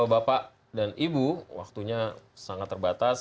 bapak dan ibu waktunya sangat terbatas